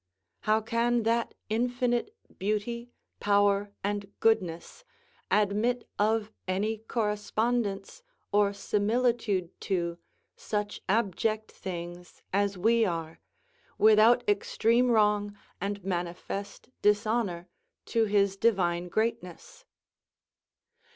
How can that infinite beauty, power, and goodness, admit of any correspondence or similitude to such abject things as we are, without extreme wrong and manifest dishonour to his divine greatness?